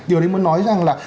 điều đấy muốn nói rằng là